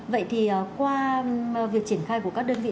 vậy thì qua việc triển khai của các đơn vị